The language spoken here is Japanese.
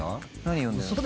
何読んでるの？